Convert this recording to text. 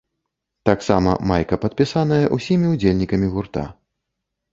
Таксама майка падпісаная ўсімі ўдзельнікамі гурта.